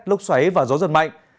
lốc xoáy và gió dần mạnh